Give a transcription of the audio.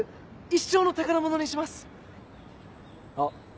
一生の宝物にします！あっ。